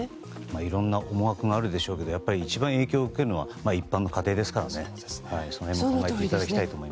いろんな思惑があるでしょうが、一番影響を受けるのは一般家庭ですからね。